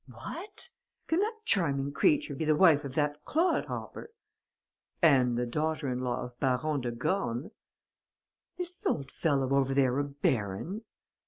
"'What! Can that charming creature be the wife of that clod hopper?' "'And the daughter in law of Baron de Gorne.' "'Is the old fellow over there a baron?'